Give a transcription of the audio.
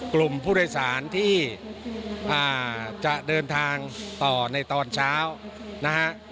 กลุ่มผู้โดยสารที่จะเดินทางต่อในตอนเช้านะฮะ